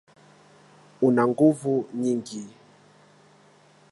Una nguvu nyingi.